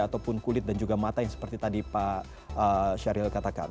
ataupun kulit dan juga mata yang seperti tadi pak syahril katakan